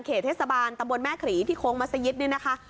เทศบาลตำบลแม่ขรีที่โค้งมัศยิตเนี่ยนะคะ